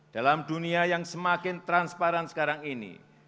dalam dunia yang semakin transparan sekarang ini